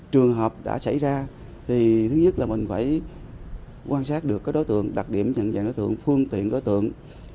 trường hợp đã xảy ra thì thứ nhất là mình phải quan sát được đối tượng đặc điểm nhận dạng đối tượng phương tiện đối tượng